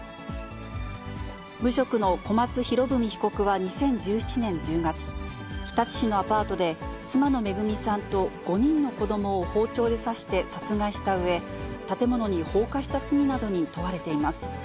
無職の小松博文被告は２０１７年１０月、日立市のアパートで、妻の恵さんと５人の子どもを包丁で刺して殺害したうえ、建物に放火した罪などに問われています。